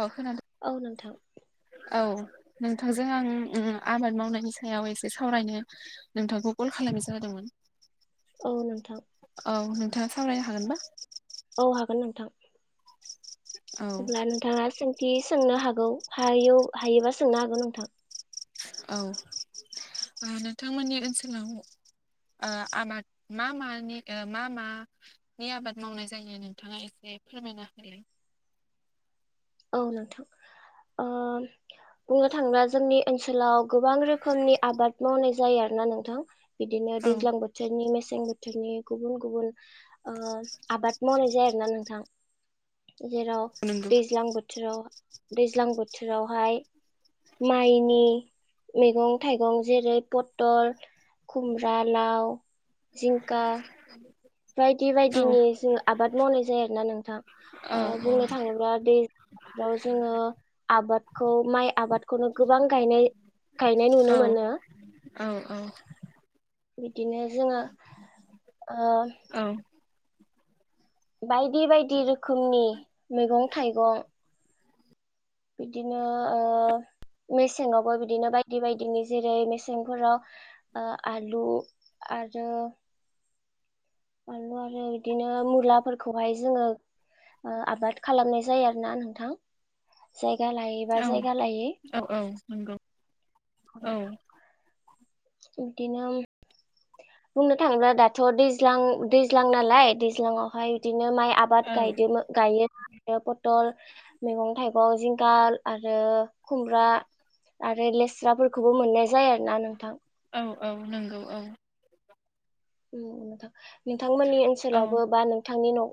अ औ नोंथां खोनादों औ नोंथांजों आं आबाद मावनायनि सायाव एसे सावरायनो नोंथांखौ कल खालामनाय जादोंमोन औ नोंथां औ नोंथांङा सावरायनो हागोनबा औ हागोन नोंथां औ अब्ला नोंथांङा सों दि सोंनो हागौ हायो हायोबा सोंनो हागौ नोंथां औ नोंथांमोननि ओनसोलाव आबाद मा मानि मा मानि आबाद मावनाय जायो नोंथांङा एसे फोरमायना होलाय औ नोंथां ओ बुंनो थांङोब्ला जोंनि ओनसोलाव गोबां रोखोमनि आबाद मावनाय जायो आरो ना नोंथां बिदिनो औ दैज्लां बोथोरनि मेसें बोथोरनि गुबुन गुबुन ओ आबाद मावनाय जायो आरोना नोंथां जेराव नंगौ दैज्लां बोथोर बोथोराव दैज्लां बोथोरावहाय माइनि मैगं थाइगं जेरै पटल खुमब्रा लाव जिंखा बायदि औ बायदिनि जोंङो आबाद मावनाय जायो आरोना नोंथां ओ औ औ बुंनो थाङोब्ला [unintelligible] जोंङो आ बादखौ माइ आबादखौनो गोबां गायनाय गायनाय नुनो औ मोनो औ औ बिदिनो जोंङो औ बायदि बायदि रोखोमनि मैगं थाइगं बिदिनो ओ मेसेंवाबो बिदिनो बायदि बायदिनि जेरै मेसेंफोराव ओ आलु आरो बानलु आरो बिदिनो मुलाफोरखौहाय जोंङो आबाद खालामनाय जायो आरोना नोंथां जाय जानाय बा औ जायगा लायै औ औ नंगौ औ बिदिनो बुंनो थांङोब्ला दाथ' दैज्लां दैज्लां नालाय दैज्लां नालाय बिदिनो माइ आबाद औ गायदों गायो। आरो पथल मैगं थाइगं जिंगाल आरो खुमब्रा आरो लेस्राफोरखौबो मोननाय जायो आरोना नोंथां। औ औ नंगौ औ थां नोंथांमोननि औ ओनसोलावबो बा नोंथांनि न'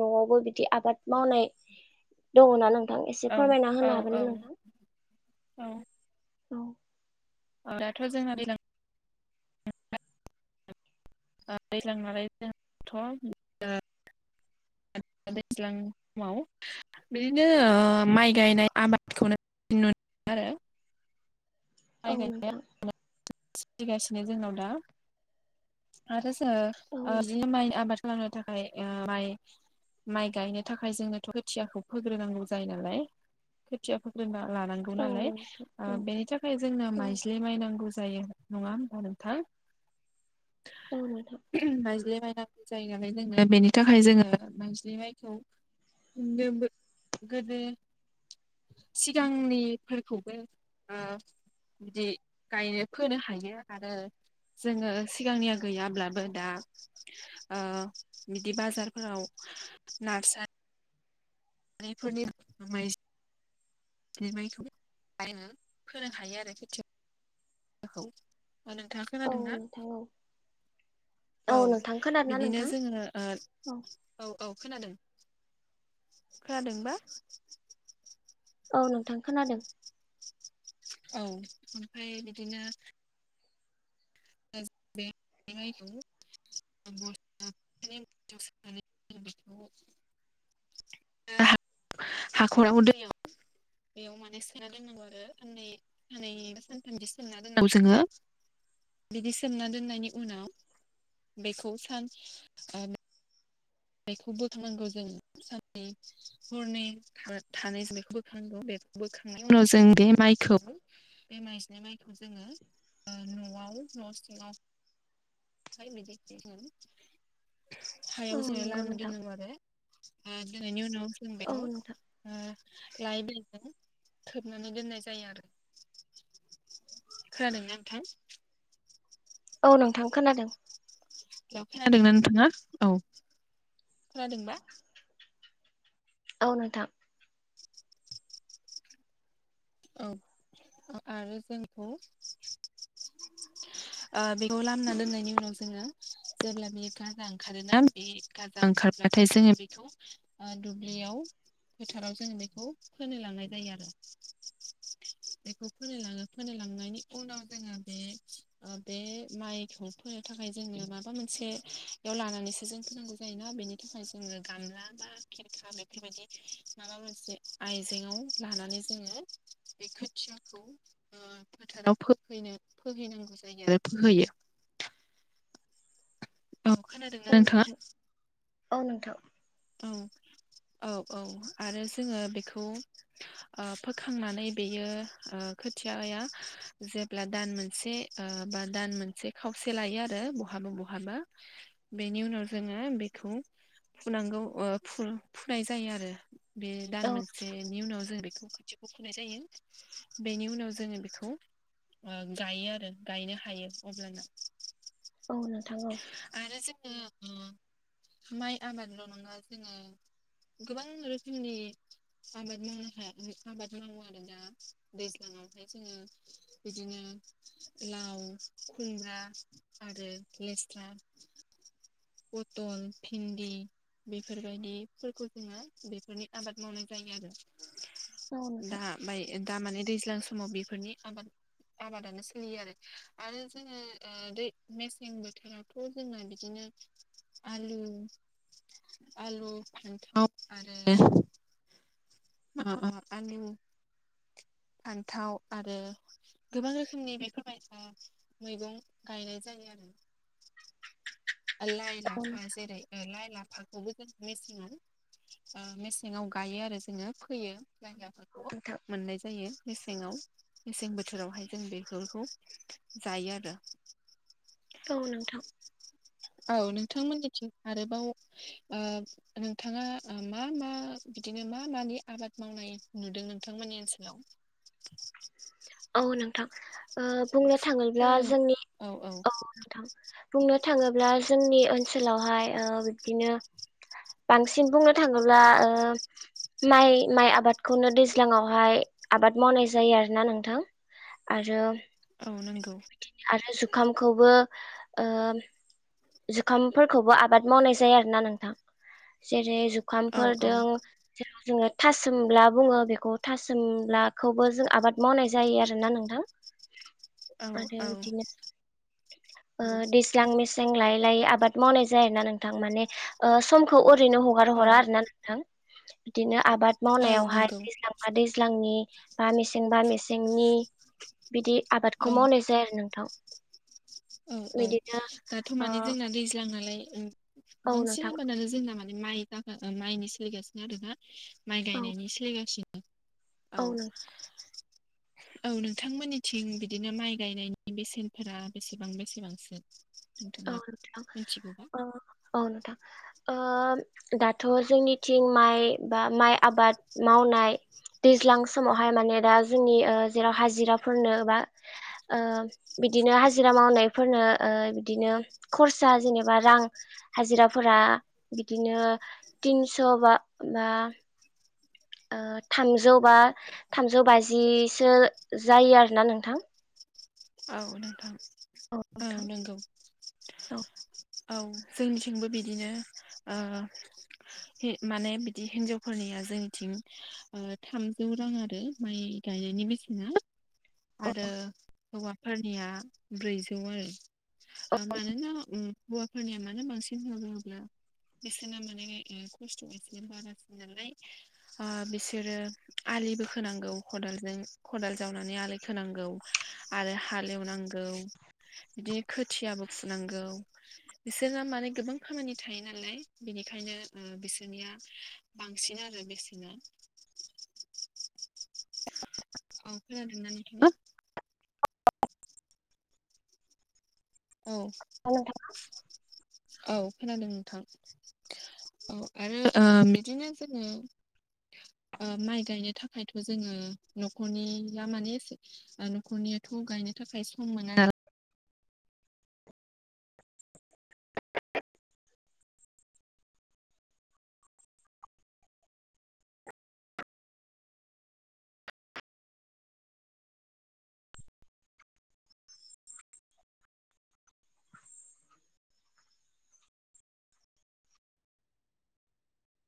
न'आवबो बिदि आबाद मावनाय दङ ना नों- -थां एसे औ फोरमायना औ होनो हागोन औ नोंथां औ दाथ' जोंहा दैज्लां दैज्लां नालाय जथ' ओ [inaudible] दैज्लां समाव बिदिनो माइ गायनाय आबादखौनो नुनो आरो माइ औ गायनाया नोंथां सोलिगासिनो जोंनाव दा आरो औ जोङो बि नोंथां माइ आबाद खालामनो थाखाय ओ माइ माइ गायनो थाखाय जोंनोथ' खोथियाखौ फोग्रोनांगौ जायो नालाय खोथिया फोग्रोना लानांगौ औ नालाय नोंथां औ बेनि थाखाय जोंनो औ माइज्लि माइनांगौ जायो नङा होमबा नोंथां? औ नोंथां जायगा लायै जायगा जायो नालाय जोङो बेनि थाखाय जोङो माइज्लि माइखौ गोदो सिगांनिफोरखौबो बिदि गायनो फोनो हायो आरो जोङो सिगांनिया गैयाब्लाबो दा ओ बिदि बाजारफोराव [unintelligible] फोरनि [unintelligible] बिखौहाय फोनो हायो आरो खोथिया नोंथाङा औ खोनादों ना? नोंथां औ औ नोंथां खोनादोंना बिदिनो नोंथां जोङो ओ औ औ खोनादों खोनादोंबा। औ नोंथां खोनादों औ ओमफ्राय बिदिनो [unintelligible] [unintelligible] हाखराव दैयाव बेयाव माने सोमना दोननांगौ आरो सननै बा सानथामनि सोमना दोननांगौ जोङो बिदि सोमना दोननायनि उनाव बेखौ सान बेखौ बोथनांगौ जों साननै हरनै थानाय जों बेखौ बोथनांगौ बे बोखांनायनि उनाव जों बे माइखौ बे माइज्लि माइखौ जोङो न'आव न सिङाव [inaudible] [unintelligible] औ हायाव जोंहा नंगौ लामनानै नोंथां दोननांगौ आरो आ बेनि उनाव जों औ बेखौ नोंथां ओ [unintelligible] खोबनानै दोननाय जायो आरो। खोनादोंना नोंथां? औ नोंथां खोनादों। खोनादोंना नोंथाङा औ खोनादोंना औ नोंथां औ आरो जोंखौ ओ बेखौ लामना दोननायनि उनाव जोङो जेब्ला बियो गाजा ओंखारोना बे गाजा ओंखारब्लाथाय जोङो बेखौ दुब्लियाव फोथाराव जोङो बेखौ फोनो लांनाय जायो आरो [inaudible] बेखौ फोनो लाङो फोनो लांनायनि उनाव जोङो बे बे माइखौ फोनो थाखाय जोङो माबा मोनसेयाव लानानैसो जों होनांगौ जायोना बेनि थाखाय जोङो गामला बा खिरखा बेफोरबायदि माबा मोनसे आइजेंङाव लानानै जोङो बे [inaudible] खोथियाखौ फोथाराव फोहैनो फोहैनांगौ जायो आरो फोहैयो [inaudible] औ खोनादों औ नोंथाङा नोंथां औ नोंथां औ औ औ आरो जोङो बेखौ फोखांनानै बेयो खोथियायख जेब्ला दान मोनसे बा दान मोनसे खावसे लायो आरो ब बहाबा बहाबा बेनि उनाव जोङो बेखौ फुनांगौ फुनाय जायो आरो बे दान औ मोनसेनि उनाव जों बेखौ खाथिखौ फुनाय जायो बेनि उनाव जोङो बेखौ गायो आरो गायनो हायो अब्लाना औ नोंथां औ आरो जोङो माइ आबादल नङा जोङो गोबां रोखोमनि आबाद मावनो हाया आबाद मावो आरो दैज्लां आवहाय जोङो बिदिनो लाव खुमब्रा आरो लेस्रा पथल भिन्दि बेफोरबायदिफोरखौ जोङो बेफोरनि आबाद मावनाय जायो औ आरो दा नोंथां दा माने दैज्लां समाव बेफोरनि आबाद आबादानो सोलियो आरो आरो जोङो दै मेसें बोथोरावथ जोंना बिदिनो आलु आलु फाखन्थाव आरो उम उम [inaudible] फान्थाव आरो गोबां रोखोमनि बेफोरबायायसा मैगं गायनाय जायो लाइ औ लाफा जेरै लाइ ला फाखौबो जों मेसेङाव मेसेङाव गायो आरो जोङो फोयो लखय लाफाखौ नोंथां मोननाय जायो मेसेङाव मेसें बोथोरावहाय जों बेफोरखौ जायो आरो औ नोंथां औ नोंथांमोननिथिं आरोबाव नोंथाङा मा मा बिदिनो मा मानि आबाद मावनाय नुदों नोंथांमोननि ओनसोलाव औ नोंथां बुंनो थाङोब्ला खोनादों जोंनि औ नोंथां बुंनो थाङोब्ला जोंनि ओनसोलावहाय बिबदिनो बांसिन बुंनो थाङोब्ला माइ माइ आबादखौनो दैज्लाङावहाय आबाद मावनाय जायो आरो ना नों थां आरो औ नंगौ आरो जुखामखौबो जुखामफोरखौबो आबाद मावनाय जायो आरो ना नोंथां जेरै औ जुखामफोर औ जों जेराव जों थासुमला बुङो बेखौ थासुमलाखौबो जों आबाद मावनाय जायो आरोना नोंथां औ आरो औ बिदिनो नंगौ दैज्लां मे लायै लायै आबाद मावनाय जायोना नोंथां माने ओ समखौ ओरैनो हगार औ हरा आरोना नोंथां। बिदिनो आबाद औ मावनायावहाय नंगौ दैज्लांबा दैज्लांनि बा मेसें बा मेसेंनि बिदि औ आबादखौ मावनाय जाया आरो नोंथां। औ औ बिदिनो दाथ ओ माने जोंना दैज्लां नालाय औ औ बांसिन नोंथां आबादानो जोंना मान ने [unintelligible] माइनि सोलिगासिनो आरोना माइ औ गायनायनि सोलिगासिनो। औ औ नोंथांमोननिथिं बिदिनो माइ गायनायनि बेसेनफोरा बेसेबां बेसेबांसो? औ नोंथाङा नोंथां मिथिगौबा ओ औ नोंथां। ओ दाथ' जोंनिथिं माइ बा माइ आबाद मावनाय दैज्लां समावहाय माने दा जोंनि ओ जेराव हाजिराफोरनो बा ओ बिदिनो हाजिरा मावनायफोरनो ओ बिदिनो खरसा जेनेबा रां हाजिरा फोरा बिदिनो तिनस' [unintelligible] बा ओ थामजौ बा थामजौ बाजिसो जायो आरोना नोंथां। औ नोंथां औ नोंगौ। औ जोंनिथिंबो बिदिनो ओ हि माने बिदि हिनजावफोरनि या जोंनिथिं ओ थामजौ रां आरो माइ गायनायनि बेसेना। आरो हौवाफोरनिया ब्रैजौ आरो। ओ मानोना उम हौवाफोरनिया मानो बांसिन होन्ना बुङोब्ला बिसोरना माने ओ खस्थ' एसे बारासिन नालाय बिसोरो आ लिबो खोनांगौ खालजों खदाल जावनानै आलि खोनांगौ आरो हालेवनांगौ बिदिनो खोथियाबो फुनांगौ बिसोरना माने गोबां खामानि थायो नालाय बिनि खायनो ओ बिसोरनिया बांसिन आरो बेसेना। [inaudible] औ खोनादों ना नोंथाङा? औ [unintelligible] औ खोनादों नोंथां? औ आरो ओ बिदिनो जोंङो ओ माइ गायनो थाखायथ' जोंङो न'खरनिया माने एसे ओ न'खरनियाथ' खौ गायनो थाखाय सम मोना